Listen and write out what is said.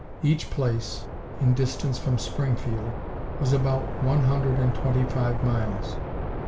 Each place, in distance from Springfield, was about one hundred and twenty five miles.